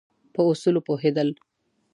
په اصولو پوهېدل.